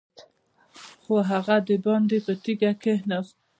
خو هغه دباندې په تيږه کېناست.